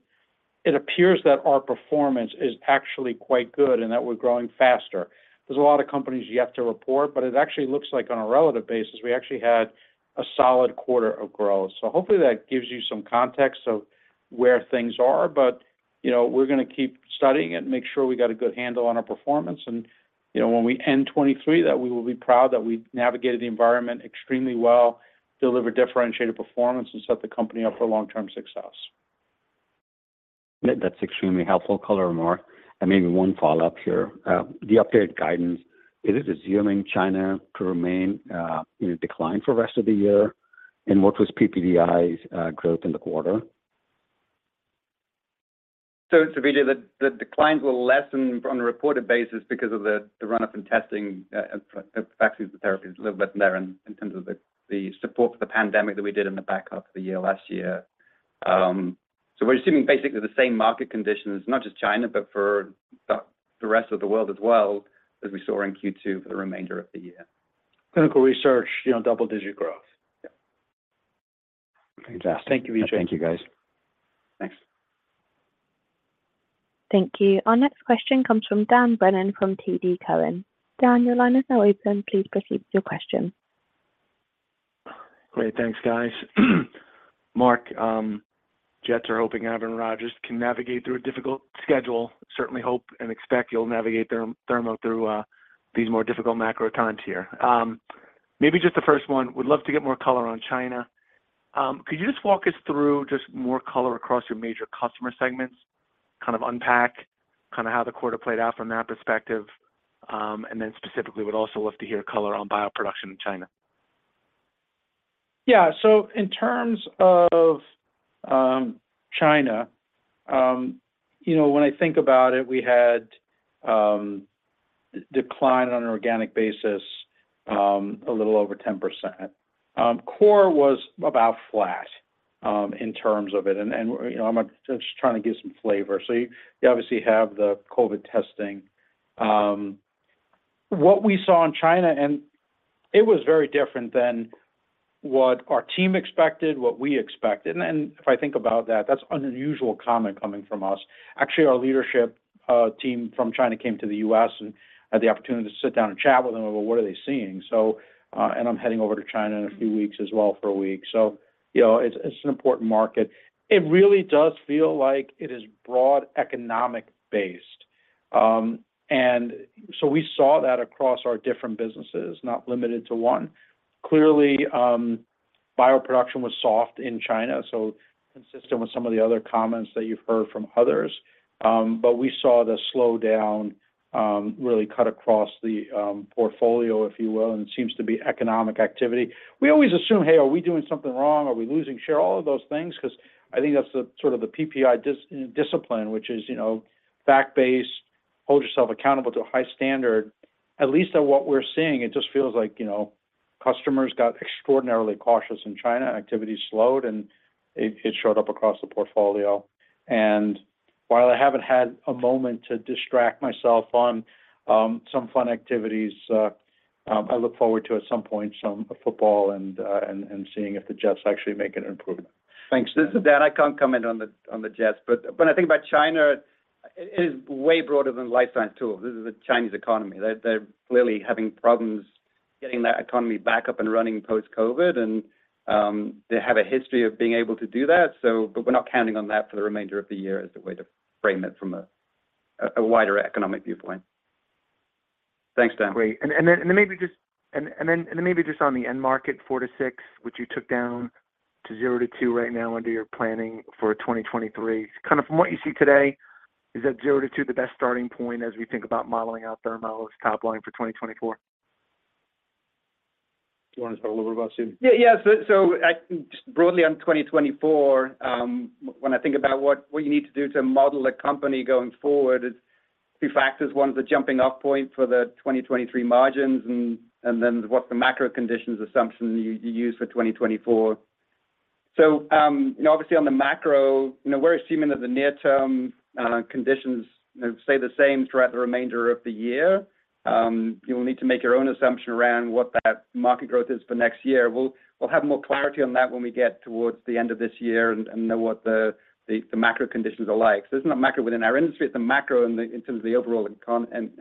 it appears that our performance is actually quite good and that we're growing faster. There's a lot of companies yet to report, it actually looks like on a relative basis, we actually had a solid quarter of growth. Hopefully, that gives you some context of where things are, but, you know, we're gonna keep studying it and make sure we got a good handle on our performance. You know, when we end 2023, that we will be proud that we navigated the environment extremely well, delivered differentiated performance, and set the company up for long-term success. That's extremely helpful color, Marc. Maybe one follow-up here. The updated guidance, is it assuming China to remain in a decline for the rest of the year? What was PPD's growth in the quarter?... Stephen here, the declines will lessen on a reported basis because of the run-up in testing, and vaccines and therapies a little bit in there in terms of the support for the pandemic that we did in the back half of the year, last year. We're assuming basically the same market conditions, not just China, but for the rest of the world as well, as we saw in Q2 for the remainder of the year. Clinical research, you know, double-digit growth. Yeah. Fantastic. Thank you, Vijay. Thank you, guys. Thanks. Thank you. Our next question comes from Daniel Brennan from TD Cowen. Dan, your line is now open. Please proceed with your question. Great. Thanks, guys. Marc, Jets are hoping Aaron Rodgers can navigate through a difficult schedule. Certainly hope and expect you'll navigate Thermo through these more difficult macro times here. Maybe just the first one. Would love to get more color on China. Could you just walk us through just more color across your major customer segments? Kind of unpack, kind of how the quarter played out from that perspective. Then specifically, would also love to hear color on bioproduction in China. Yeah. In terms of China, you know, when I think about it, we had decline on an organic basis, a little over 10%. core was about flat in terms of it, and, you know, I'm just trying to give some flavor. You obviously have the COVID testing. What we saw in China, and it was very different than what our team expected, what we expected, and if I think about that's an unusual comment coming from us. Actually, our leadership team from China came to the U.S., and I had the opportunity to sit down and chat with them about what are they seeing. I'm heading over to China in a few weeks as well for a week. You know, it's an important market. It really does feel like it is broad economic based. We saw that across our different businesses, not limited to one. Clearly, bioproduction was soft in China, so consistent with some of the other comments that you've heard from others. We saw the slowdown, really cut across the portfolio, if you will, and it seems to be economic activity. We always assume, "Hey, are we doing something wrong? Are we losing share?" All of those things, 'cause I think that's the sort of the PPI discipline, which is, you know, fact-based, hold yourself accountable to a high standard. At least at what we're seeing, it just feels like, you know, customers got extraordinarily cautious in China, and activity slowed, and it showed up across the portfolio. While I haven't had a moment to distract myself on, some fun activities, I look forward to, at some point, some football and seeing if the Jets actually make an improvement. Thanks. This is Dan. I can't comment on the Jets, but when I think about China, it is way broader than life science tools. This is the Chinese economy. They're clearly having problems getting their economy back up and running post-COVID, and they have a history of being able to do that. We're not counting on that for the remainder of the year as a way to frame it from a wider economic viewpoint. Thanks, Dan. Maybe just on the end market, 4%-6%, which you took down to 0%-2% right now under your planning for 2023. Kind of from what you see today, is that 0%-2% the best starting point as we think about modeling out Thermo's top line for 2024? Do you want to speak a little bit about it, Suv? Yeah, yeah. I just broadly on 2024, when I think about what you need to do to model a company going forward, it's two factors. One is the jumping off point for the 2023 margins and then what the macro conditions assumption you use for 2024. You know, obviously, on the macro, you know, we're assuming that the near-term conditions, you know, stay the same throughout the remainder of the year. You'll need to make your own assumption around what that market growth is for next year. We'll have more clarity on that when we get towards the end of this year and know what the macro conditions are like. It's not macro within our industry, it's the macro in terms of the overall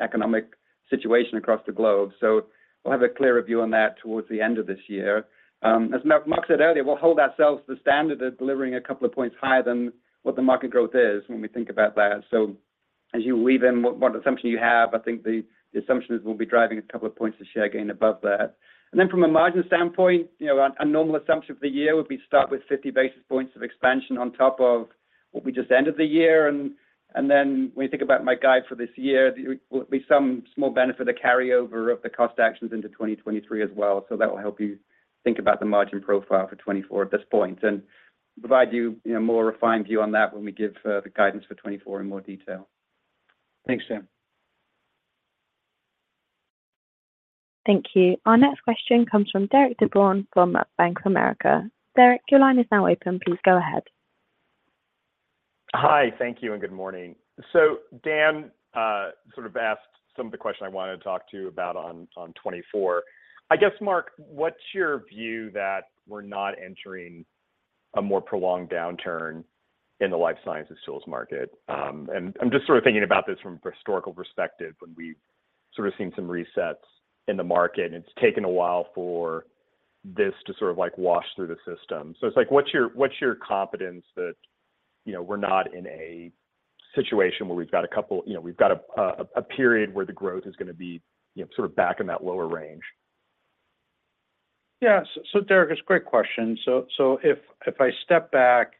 economic situation across the globe. We'll have a clearer view on that towards the end of this year. As Marc said earlier, we'll hold ourselves to the standard of delivering a couple of points higher than what the market growth is when we think about that. As you weave in what assumption you have, I think the assumptions will be driving a couple of points of share gain above that. From a margin standpoint, you know, a normal assumption for the year would be to start with 50 basis points of expansion on top of what we just ended the year. Then when you think about my guide for this year, there will be some small benefit of carryover of the cost actions into 2023 as well. That will help you think about the margin profile for 2024 at this point and provide you know, a more refined view on that when we give the guidance for 2024 in more detail. Thanks, Dan. Thank you. Our next question comes from Derik de Bruin from Bank of America. Derik, your line is now open. Please go ahead. Hi. Thank you and good morning. Dan, sort of asked some of the questions I wanted to talk to you about on 2024. I guess, Marc, what's your view that we're not entering a more prolonged downturn in the life sciences tools market? And I'm just sort of thinking about this from a historical perspective, when we've sort of seen some resets in the market, and it's taken a while for this to sort of like, wash through the system. It's like, what's your confidence that, you know, we're not in a situation where we've got a period where the growth is going to be, you know, sort of back in that lower range? Yeah. Derik, it's a great question. If I step back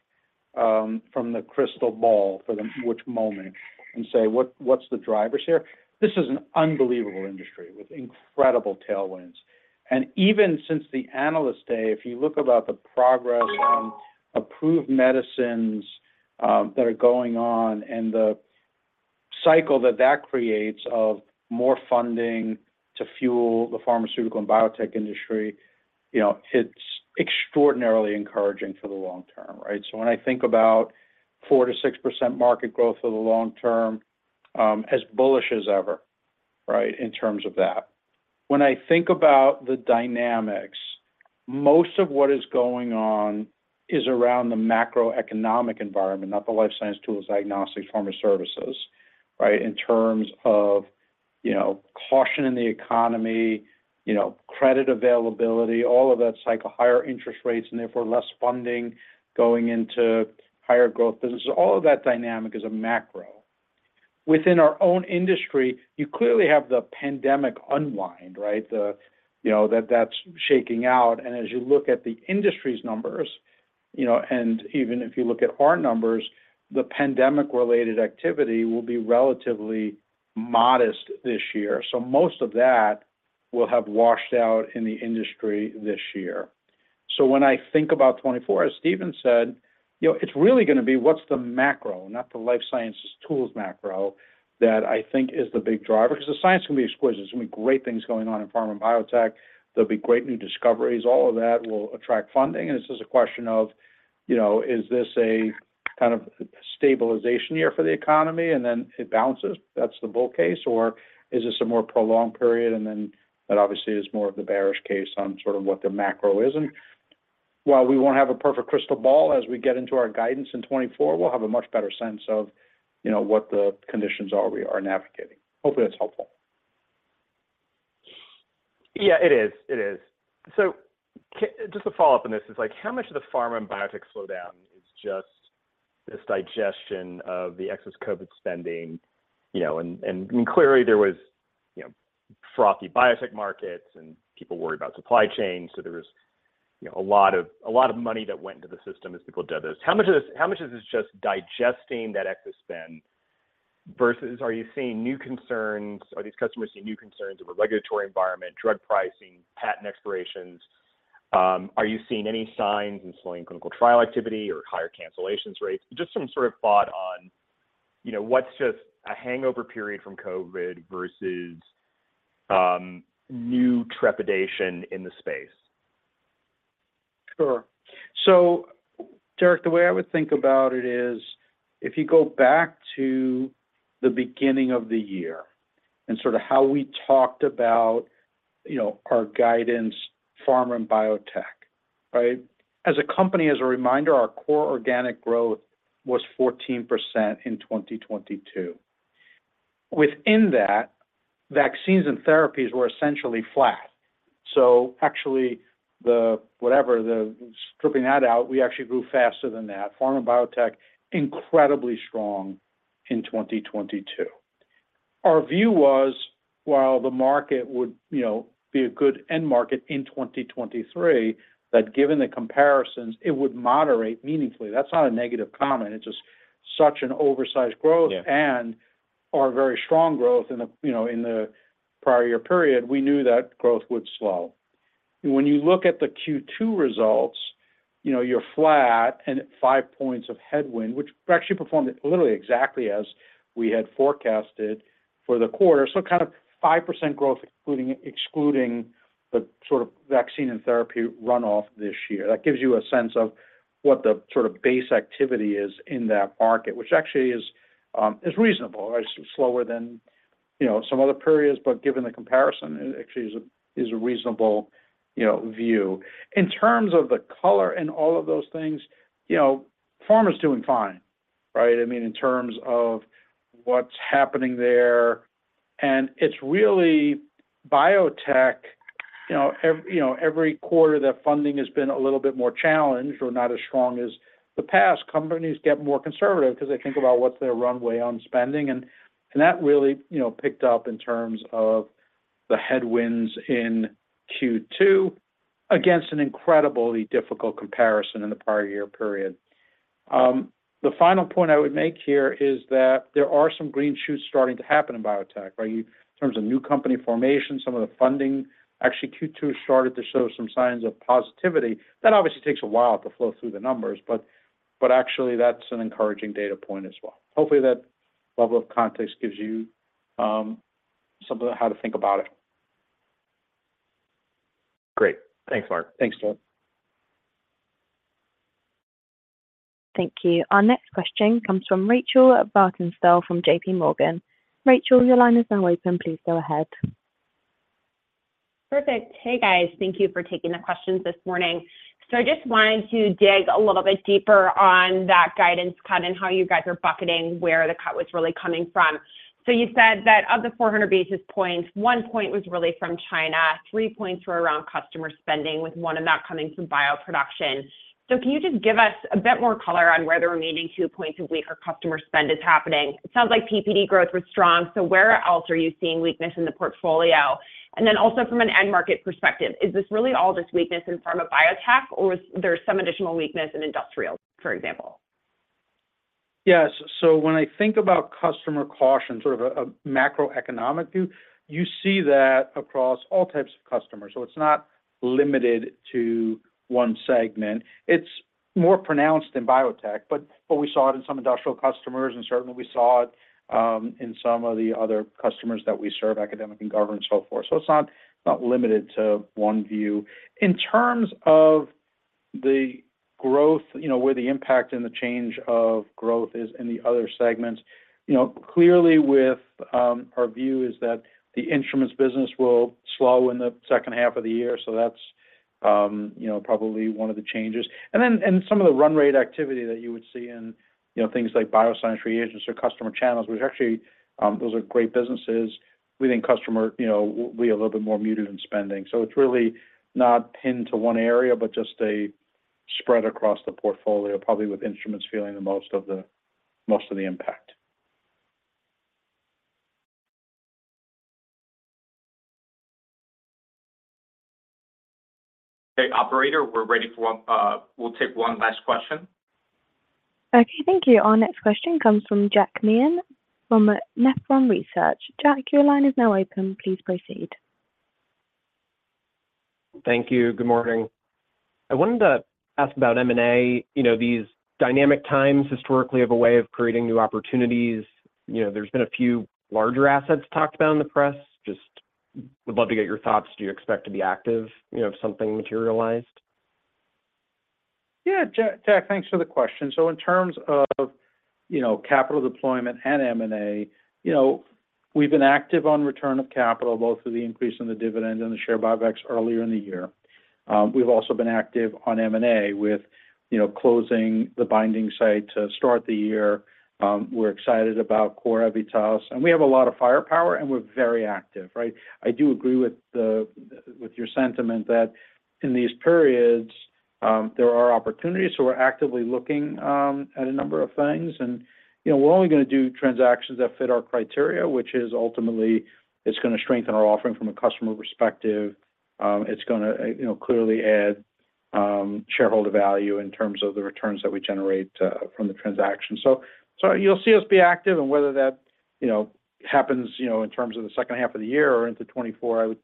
from the crystal ball for the which moment and say, what's the drivers here? This is an unbelievable industry with incredible tailwinds. Even since the Analyst Day, if you look about the progress on approved medicines, that are going on and the cycle that creates of more funding to fuel the pharmaceutical and biotech industry, you know, it's extraordinarily encouraging for the long term, right? When I think about 4% to 6% market growth for the long term, as bullish as ever, right, in terms of that. When I think about the dynamics, most of what is going on is around the macroeconomic environment, not the life science tools, diagnostics, pharma services, right? In terms of, you know, caution in the economy, you know, credit availability, all of that cycle, higher interest rates, and therefore less funding going into higher growth businesses. All of that dynamic is a macro. Within our own industry, you clearly have the pandemic unwind, right? The, you know, that's shaking out. As you look at the industry's numbers, you know, and even if you look at our numbers, the pandemic-related activity will be relatively modest this year. Most of that will have washed out in the industry this year. When I think about 2024, as Stephen said, you know, it's really going to be what's the macro, not the life sciences tools macro that I think is the big driver. The science can be exquisite. There's going to be great things going on in pharma and biotech. There'll be great new discoveries. All of that will attract funding, and it's just a question of, you know, is this a kind of stabilization year for the economy and then it bounces, that's the bull case? Is this a more prolonged period, and then that obviously is more of the bearish case on sort of what the macro is? While we won't have a perfect crystal ball, as we get into our guidance in 2024, we'll have a much better sense of, you know, what the conditions are we are navigating. Hopefully, that's helpful. Yeah, it is. It is. Just a follow-up on this is, like, how much of the pharma and biotech slowdown is just this digestion of the excess COVID spending? You know, clearly there was, you know, frothy biotech markets, and people worried about supply chain. There was, you know, a lot of money that went into the system as people did this. How much of this is just digesting that excess spend, versus are you seeing new concerns? Are these customers seeing new concerns over regulatory environment, drug pricing, patent expirations? Are you seeing any signs in slowing clinical trial activity or higher cancellations rates? Just some sort of thought on, you know, what's just a hangover period from COVID versus new trepidation in the space. Sure. Derik, the way I would think about it is, if you go back to the beginning of the year and sort of how we talked about, you know, our guidance, pharma and biotech, right? As a company, as a reminder, our core organic growth was 14% in 2022. Within that, vaccines and therapies were essentially flat. actually, stripping that out, we actually grew faster than that. Pharma biotech, incredibly strong in 2022. Our view was, while the market would, you know, be a good end market in 2023, that given the comparisons, it would moderate meaningfully. That's not a negative comment. It's just such an oversized growth- Yeah - and our very strong growth in the, you know, in the prior year period, we knew that growth would slow. When you look at the Q2 results, you know, you're flat and at 5 points of headwind, which we actually performed literally exactly as we had forecasted for the quarter. Kind of 5% growth, excluding the sort of vaccine and therapy runoff this year. That gives you a sense of what the sort of base activity is in that market, which actually is reasonable, right? Slower than, you know, some other periods, but given the comparison, it actually is a, is a reasonable, you know, view. In terms of the color and all of those things, you know, pharma's doing fine, right? I mean, in terms of what's happening there, and it's really biotech. You know, every quarter that funding has been a little bit more challenged or not as strong as the past. Companies get more conservative because they think about what's their runway on spending, and that really, you know, picked up in terms of the headwinds in Q2 against an incredibly difficult comparison in the prior year period. The final point I would make here is that there are some green shoots starting to happen in biotech, right? In terms of new company formation, some of the funding, actually, Q2 started to show some signs of positivity. That obviously takes a while to flow through the numbers, but actually, that's an encouraging data point as well. Hopefully, that level of context gives you something how to think about it. Great. Thanks, Marc. Thanks, Derik. Thank you. Our next question comes from Rachel Vatnsdal from JPMorgan. Rachel, your line is now open. Please go ahead. Perfect. Hey, guys. Thank you for taking the questions this morning. I just wanted to dig a little bit deeper on that guidance cut and how you guys are bucketing where the cut was really coming from. You said that of the 400 basis points, 1 point was really from China, 3 points were around customer spending, with 1 of that coming from bioproduction. Can you just give us a bit more color on where the remaining 2 points of weaker customer spend is happening? It sounds like PPD growth was strong, where else are you seeing weakness in the portfolio? Also from an end market perspective, is this really all just weakness in pharma biotech, or is there some additional weakness in industrial, for example? Yes. When I think about customer caution, sort of a macroeconomic view, you see that across all types of customers. It's not limited to one segment. It's more pronounced in biotech, but we saw it in some industrial customers, and certainly we saw it in some of the other customers that we serve, academic and government, so forth. It's not limited to one view. In terms of the growth, you know, where the impact and the change of growth is in the other segments, you know, clearly with our view is that the instruments business will slow in the second half of the year. That's, you know, probably one of the changes. Some of the run rate activity that you would see in, you know, things like bioscience reagents or customer channels, which actually, those are great businesses. We think customer, you know, will be a little bit more muted in spending. It's really not pinned to one area, but just a spread across the portfolio, probably with instruments feeling the most of the impact. Okay, operator, we're ready for one. We'll take one last question. Okay, thank you. Our next question comes from Jack Meehan from Nephron Research. Jack, your line is now open. Please proceed. Thank you. Good morning. I wanted to ask about M&A. You know, these dynamic times historically have a way of creating new opportunities. You know, there's been a few larger assets talked about in the press. Just would love to get your thoughts. Do you expect to be active, you know, if something materialized? Jack, thanks for the question. In terms of, you know, capital deployment and M&A, you know, we've been active on return of capital, both through the increase in the dividend and the share buybacks earlier in the year. We've also been active on M&A with, you know, closing The Binding Site to start the year. We're excited about CorEvitas, and we have a lot of firepower, and we're very active, right? I do agree with your sentiment that in these periods, there are opportunities, so we're actively looking at a number of things. You know, we're only gonna do transactions that fit our criteria, which is ultimately, it's gonna strengthen our offering from a customer perspective. It's gonna, you know, clearly add shareholder value in terms of the returns that we generate from the transaction. You'll see us be active, whether that, you know, happens, you know, in terms of the second half of the year or into 2024,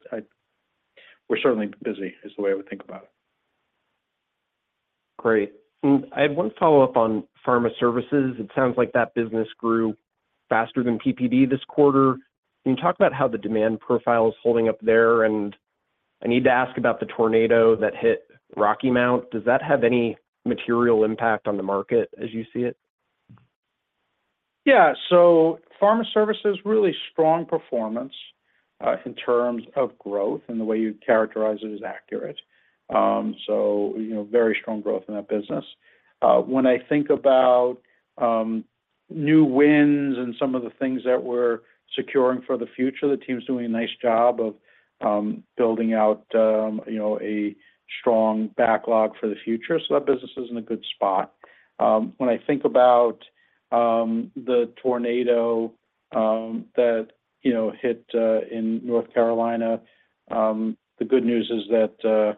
we're certainly busy, is the way I would think about it. Great. I had one follow-up on pharma services. It sounds like that business grew faster than PPD this quarter. Can you talk about how the demand profile is holding up there? I need to ask about the tornado that hit Rocky Mount. Does that have any material impact on the market as you see it? Yeah. Pharma services, really strong performance, in terms of growth, and the way you characterize it is accurate. You know, very strong growth in that business. When I think about new wins and some of the things that we're securing for the future, the team's doing a nice job of building out, you know, a strong backlog for the future. That business is in a good spot. When I think about the tornado that, you know, hit in North Carolina, the good news is that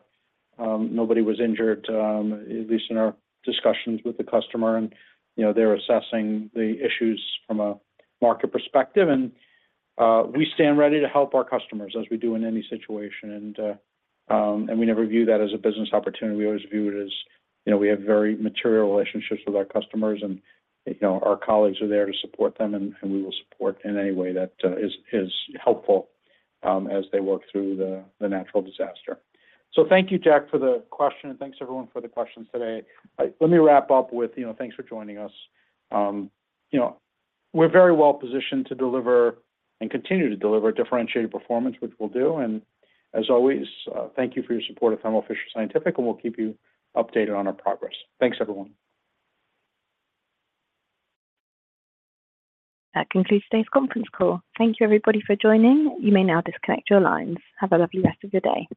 nobody was injured, at least in our discussions with the customer. You know, they're assessing the issues from a market perspective, and we stand ready to help our customers, as we do in any situation. We never view that as a business opportunity. We always view it as, you know, we have very material relationships with our customers, and, you know, our colleagues are there to support them, and we will support in any way that is helpful, as they work through the natural disaster. Thank you, Jack, for the question, and thanks everyone for the questions today. Let me wrap up with, you know, thanks for joining us. You know, we're very well positioned to deliver and continue to deliver differentiated performance, which we'll do. As always, thank you for your support of Thermo Fisher Scientific, and we'll keep you updated on our progress. Thanks, everyone. That concludes today's conference call. Thank you, everybody, for joining. You may now disconnect your lines. Have a lovely rest of your day.